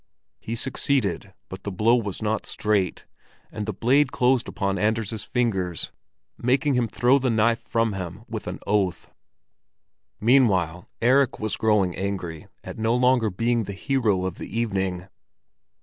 He succeeded, but the blow was not straight, and the blade closed upon Anders' fingers, making him throw the knife from him with an oath. Meanwhile Erik was growing angry at no longer being the hero of the evening.